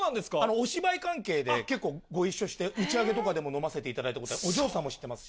お芝居関係で、結構、ご一緒して、打ち上げとかでも飲ませていただいたり、お嬢さんも知ってますし。